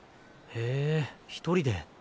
へえ一人で。